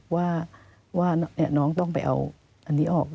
ว่าน้องต้องไปเอาอันนี้ออก